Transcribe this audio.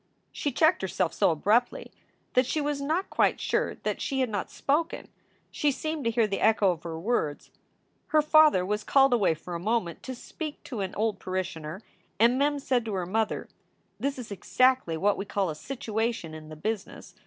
She checked herself so abruptly that she was not quite sure that she had not spoken. She seemed to hear the echo of her words. Her father was called away for a moment to speak to an old parishioner, and Mem said to her mother: "This is exactly what we call a situation in the business.